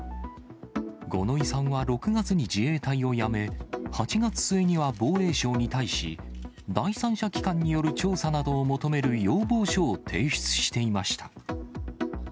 五ノ井さんは６月に自衛隊を辞め、８月末には防衛省に対し、第三者機関による調査などを求める要望書を提出していました。